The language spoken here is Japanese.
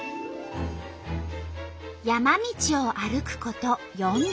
山道を歩くこと４０分。